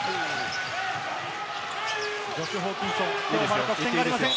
ジョシュ・ホーキンソン、まだ得点がありません。